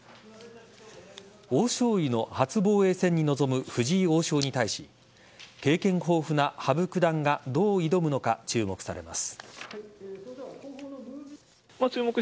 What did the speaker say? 王将位の初防衛戦に臨む藤井王将に対し経験豊富な羽生九段がどう挑むのか注目されます。